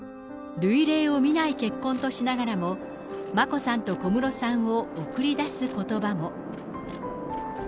類例を見ない結婚としながらも、眞子さんと小室さんを送り出すことばも。